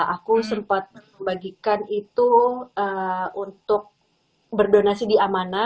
aku sempat membagikan itu untuk berdonasi di amana